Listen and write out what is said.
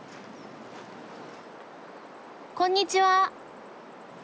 こんにちは。